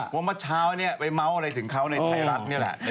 ว่าเมื่อเช้าเนี่ยไปเมาส์อะไรถึงเขาในไทยรัฐนี่แหละ